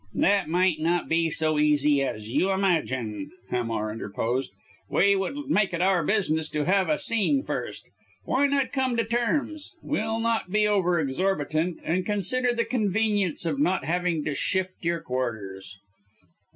"That might not be so easy as you imagine," Hamar interposed. "We would make it our business to have a scene first. Why not come to terms? We'll not be over exorbitant and consider the convenience of not having to shift your quarters."